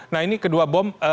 nah ini kedua bom